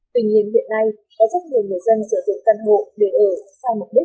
tuy nhiên hiện nay có rất nhiều người dân sử dụng căn hộ để ở sai mục đích